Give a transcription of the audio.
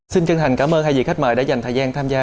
xin chân thành cảm ơn hai vị khách mời đã dành thời gian tham gia